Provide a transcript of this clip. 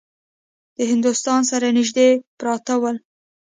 د هندوستان سره نیژدې پراته ول.